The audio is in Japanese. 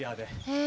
へえ。